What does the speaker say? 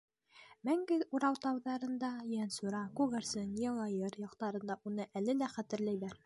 Мәңге Урал тауҙарында Ейәнсура, Күгәрсен, Йылайыр яҡтарында уны әле лә хәтерләйҙәр.